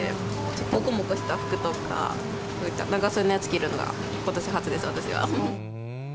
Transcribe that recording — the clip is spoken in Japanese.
もこもこした服とか、長袖のやつ着るのが、ことし初です、私は。